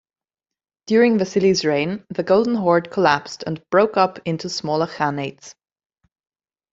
During Vasily's reign the Golden Horde collapsed and broke up into smaller Khanates.